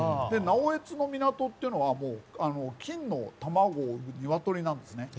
直江津の港っていうのは金の卵を産むニワトリなんですね。